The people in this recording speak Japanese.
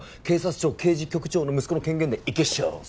警察庁刑事局長の息子の権限でいけっしょ？